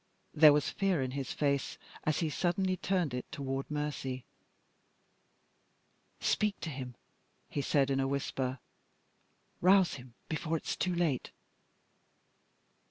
There was fear in his face, as he suddenly turned it toward Mercy. "Speak to him!" he said, in a whisper. "Rouse him, before it's too late!"